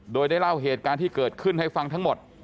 โดยได้เล่าเหตุการณ์ที่เกิดขึ้นให้ฟังทั้งหมด